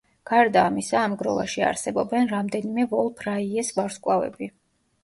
გარდა ამისა, ამ გროვაში არსებობენ რამდენიმე ვოლფ-რაიეს ვარსკვლავები.